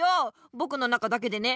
ぼくの中だけでね。